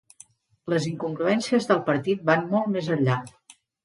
Les incongruències del partit van molt més enllà.